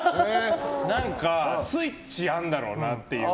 何かスイッチあるんだろうなって。